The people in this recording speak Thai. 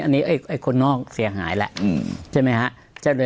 อันนี้คนนอกเสียหายแล้วใช่ไหมฮะ